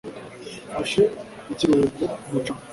Mfashe ikiruhuko ku mucanga.